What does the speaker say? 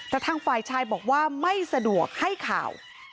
แต่ทางฝ่ายชายบอกว่าไม่สะดวกให้ข่าว